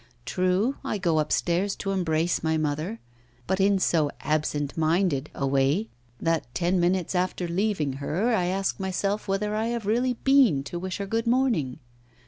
True, I go upstairs to embrace my mother, but in so absent minded a way, that ten minutes after leaving her I ask myself whether I have really been to wish her good morning.